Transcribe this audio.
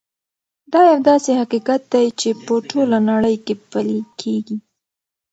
دا یو داسې حقیقت دی چې په ټوله نړۍ کې پلی کېږي.